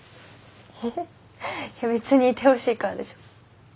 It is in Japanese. ええいや別にいてほしいからでしょ。